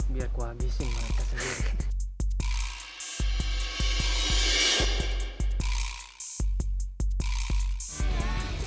biar gua abisin mereka sendiri